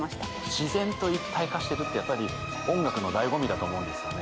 自然と一体化してるってやっぱり音楽の醍醐味だと思うんですよね。